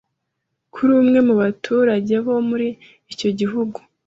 kuri umwe mu baturage bo muri icyo gihugu,